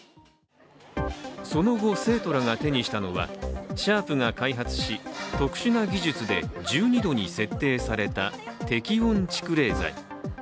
その後、生徒らが手にしたのはシャープが開発し特殊な技術で１２度に設定された適温蓄冷材。